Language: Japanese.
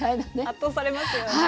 圧倒されますよね。